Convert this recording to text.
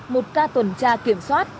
một ca tuần tra kiểm soát